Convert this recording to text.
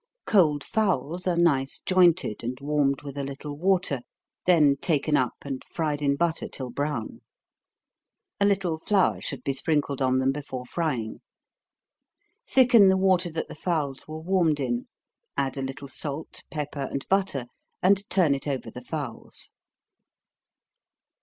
Cold fowls are nice jointed, and warmed with a little water, then taken up, and fried in butter till brown. A little flour should be sprinkled on them before frying. Thicken the water that the fowls were warmed in add a little salt, pepper, and butter, and turn it over the fowls.